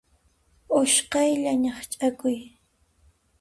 Usqhaylla ñaqch'akuy.